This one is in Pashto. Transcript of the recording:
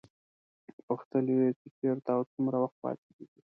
پوښتل یې چې چېرته او څومره وخت پاتې کېږي.